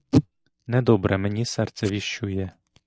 Недобре мені серце віщує.